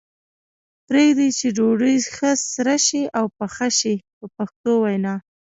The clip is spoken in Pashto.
پرېږدي یې چې ډوډۍ ښه سره شي او پخه شي په پښتو وینا.